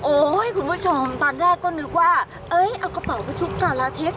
คุณผู้ชมตอนแรกก็นึกว่าเอ้ยเอากระเป๋าไปชุบชาลาเท็จ